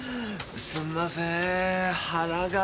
すんません腹が。